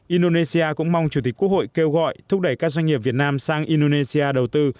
indonesia cũng mong chủ tịch quốc hội kêu gọi thúc đẩy các doanh nghiệp việt nam sang indonesia đầu tư